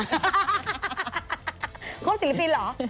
เขาเป็นศิลปินเหรอ